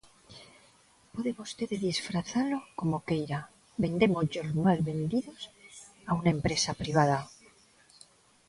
Pode vostede disfrazalo como queira, vendémosllos mal vendidos a unha empresa privada.